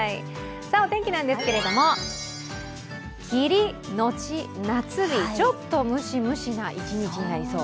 お天気なんですが、霧のち夏日ちょっとムシムシな一日になりそう。